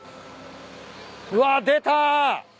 うわ出た！